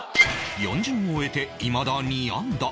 ４巡を終えていまだ２安打